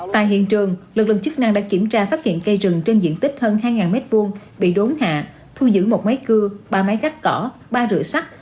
tại hiện trường lực lượng chức năng đã kiểm tra phát hiện cây rừng trên diện tích hơn hai m hai bị đốn hạ thu giữ một máy cưa ba máy gác cỏ ba rửa sắc